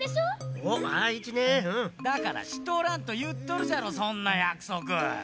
だからしとらんといっとるじゃろそんなやくそく。